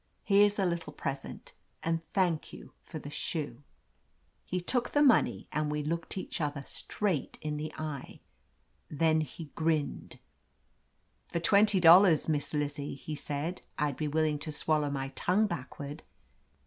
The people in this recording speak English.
Here's a little present, and thank you for the shoe." He took the money and we looked each other straight in the eye. Then he grinned. 220 OF LETITIA CARBERRY "For twenty dollars, Miss Lizzie," he said, "I'd be willing to swallow my tongue back ward.